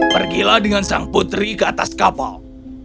pergilah dengan sang putri ke atas kapal